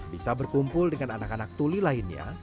bisa berkumpul dengan anak anak tuli lainnya